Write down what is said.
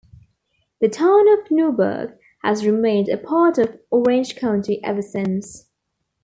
The town of Newburgh has remained a part of Orange County ever since.